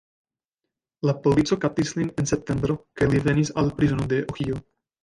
La polico kaptis lin en septembro kaj li venis al prizono de Ohio.